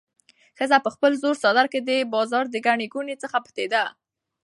ښځه په خپل زوړ څادر کې د بازار د ګڼې ګوڼې څخه پټېده.